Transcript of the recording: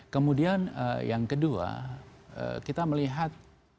kemudian yang kedua kita melihat